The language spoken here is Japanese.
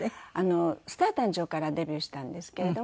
『スター誕生！』からデビューしたんですけれども。